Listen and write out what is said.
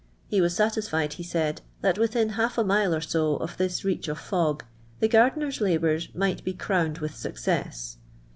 He was satisfied, he said, that within half a mile or so of this reach of fog the gar dener's lalMurs might be crowned with success.